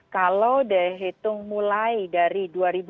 kalau dihitung mulai dari dua ribu dua puluh